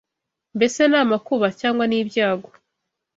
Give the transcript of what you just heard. Mbese ni amakuba, cyangwa ni ibyago?